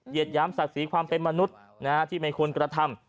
หยามศักดิ์ศรีความเป็นมนุษย์ที่ไม่ควรกระทำ